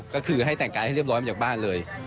ก็คือให้แต่งกายให้เรียบร้อยมาจากบ้านเลย